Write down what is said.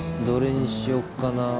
どれにしよっかな。